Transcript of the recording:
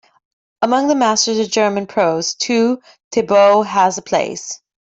Among the masters of German prose, too, Thibaut has a place.